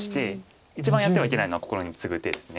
一番やってはいけないのはここにツグ手です。